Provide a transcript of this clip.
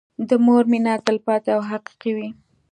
د مور مينه تلپاتې او حقيقي وي.